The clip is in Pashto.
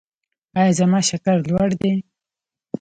ایا زما شکر لوړ دی؟